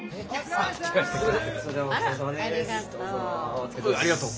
あらありがとう。